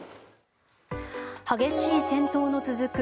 激しい戦闘の続く